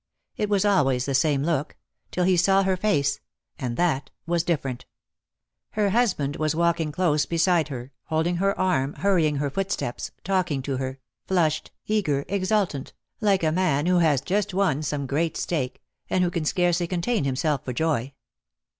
It was always the same look — till he saw her face, and that was different. Her husband was walking close beside her, hold DEAD LOVE HAS CHAINS. 283 ing her arm, hurrying her footsteps, talking to her, flushed, eager, exultant, like a man who has just won some great stake, and who can scarcely con tain himself for joy.